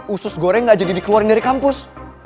usus goreng gak jadi dikeluarin dari kampus